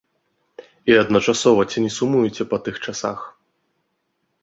І адначасова ці не сумуеце па тых часах?